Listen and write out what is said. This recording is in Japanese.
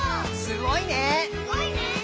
「すごいね」